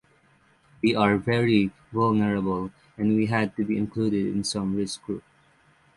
We are very vulnerable and we had to be included in some risk group.